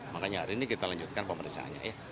makanya hari ini kita lanjutkan pemeriksaannya ya